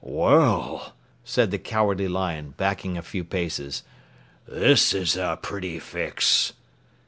"Well," said the Cowardly Lion, backing a few paces, "this is a pretty fix."